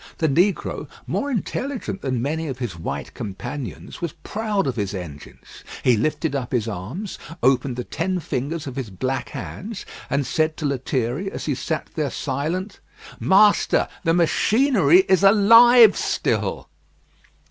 The negro, more intelligent than many of his white companions, was proud of his engines. He lifted up his arms, opening the ten fingers of his black hands, and said to Lethierry, as he sat there silent, "Master, the machinery is alive still!"